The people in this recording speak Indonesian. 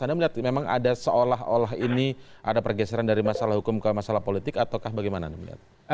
anda melihat memang ada seolah olah ini ada pergeseran dari masalah hukum ke masalah politik ataukah bagaimana anda melihat